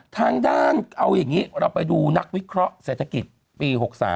ทางด้านเอาอย่างนี้เราไปดูนักวิเคราะห์เศรษฐกิจปี๖๓